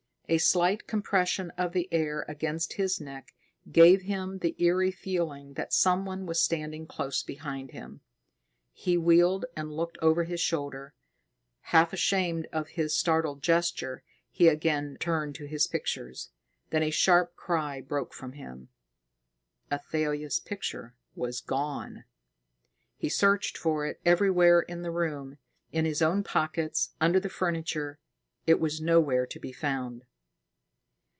A slight compression of the air against his neck gave him the eery feeling that someone was standing close behind him. He wheeled and looked over his shoulder. Half ashamed of his startled gesture, he again turned to his pictures. Then a sharp cry broke from him. Athalia's picture was gone. He searched for it everywhere in the room, in his own pockets, under the furniture. It was nowhere to be found.